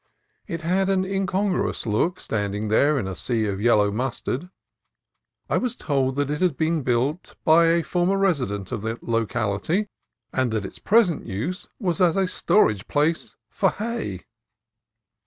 It had an incongruous look, standing there in a sea of yellow mustard. I was told that it had been built by a former resident of the locality, and that its present use was as a storage place for hay!